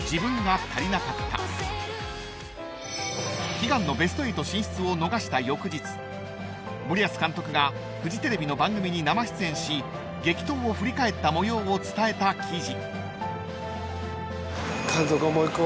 ［悲願のベスト８進出を逃した翌日森保監督がフジテレビの番組に生出演し激闘を振り返った模様を伝えた記事］